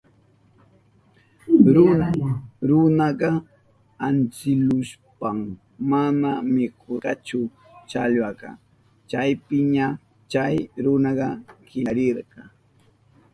Runaka antsilushpan mana mikurkachu challwaka. Chaypiña chay runaka killarirka.